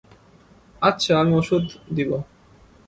আচ্ছা আমি ওষুধ দিব।